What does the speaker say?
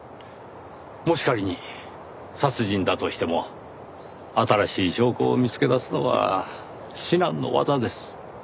もし仮に殺人だとしても新しい証拠を見つけ出すのは至難の業です。